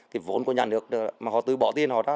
thì vốn của nhà nước mà họ tự bỏ tiền họ ra